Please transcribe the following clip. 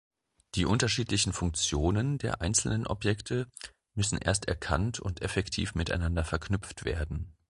Die unterschiedlichen Funktionen der einzelnen Objekte müssen erst erkannt und effektiv miteinander verknüpft werden.